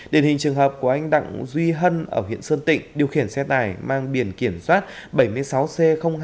điển hình trường hợp của anh đặng duy hân ở huyện sơn tịnh điều khiển xe tải mang biển kiểm soát bảy mươi sáu c hai nghìn bốn trăm bốn mươi hai